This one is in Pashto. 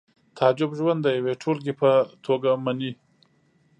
تعجب ژوند د یوې ټولګې په توګه مني